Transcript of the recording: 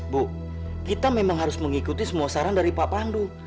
bu kita memang harus mengikuti semua saran dari pak pandu